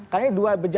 karena dua bejana juga